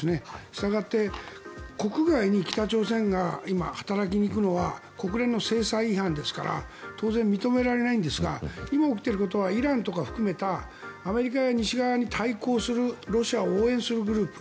したがって、国外に北朝鮮が今、働きに行くのは国連の制裁違反ですから当然認められないんですが今起きていることはイランとか含めたアメリカや西側に対抗するロシアを応援するグループ。